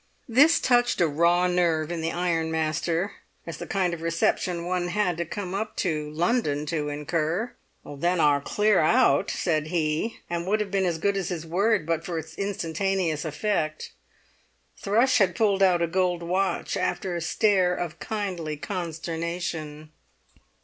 This touched a raw nerve in the ironmaster, as the kind of reception one had to come up to London to incur. "Then I'll clear out!" said he, and would have been as good as his word but for its instantaneous effect. Thrush had pulled out a gold watch after a stare of kindly consternation.